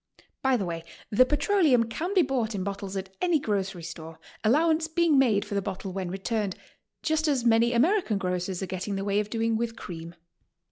By the way, the petroleum can be bought in bo ttles at any grocery store, allowance being made for the bottle when returned, just as many American grocers are getting in the way of doing with cream.